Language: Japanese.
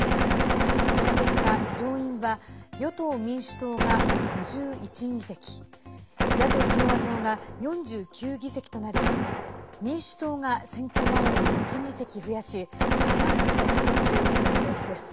この結果、上院は与党・民主党が５１議席野党・共和党が４９議席となり民主党が選挙前より１議席増やし過半数の議席を得る見通しです。